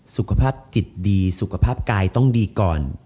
สุขภาพจิตดีสุขภาพกายต้องดีก่อน